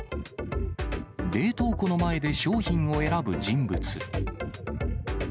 冷凍庫の前で商品を選ぶ人物。